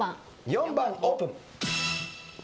４番オープン。